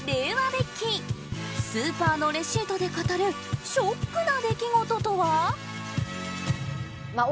ベッキースーパーのレシートで語るショックな出来事とは？